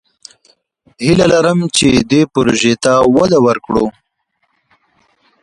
هیله لرم چې دې پروژې ته وده ورکړو.